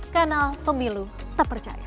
kanal pemilu terpercaya